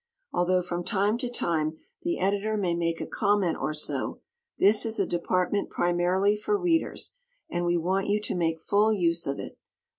Although from time to time the Editor may make a comment or so, this is a department primarily for Readers, and we want you to make full use of it.